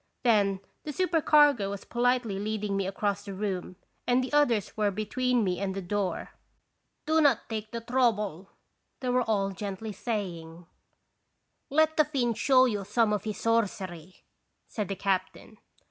Then the supercargo was politely leading me across the room, and the others were between me and the door. "Do not take the trouble," they were all gently saying. 21 radons Visitation. 163 " Let the Finn show you some of his sorcery/' said the captain.